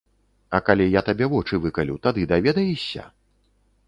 А калі я табе вочы выкалю, тады даведаешся?